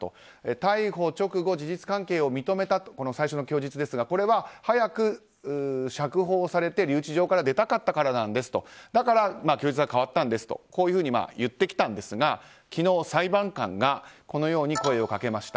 逮捕直後、事実関係を認めたこの最初の供述ですがこれは早く釈放されて留置場から出たかったからなんですとだから供述が変わったんですと言ってきたんですが昨日、裁判官がこのように声をかけました。